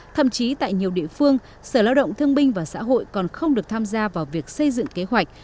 thậm chí tại nhiều địa phương sở lao động thương binh và xã hội còn không được tham gia vào việc xây dựng kế hoạch